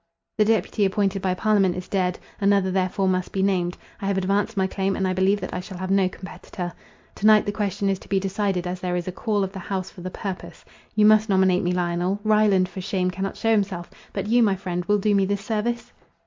The deputy appointed by parliament is dead; another therefore must be named; I have advanced my claim, and I believe that I shall have no competitor. To night the question is to be decided, as there is a call of the house for the purpose. You must nominate me, Lionel; Ryland, for shame, cannot shew himself; but you, my friend, will do me this service?"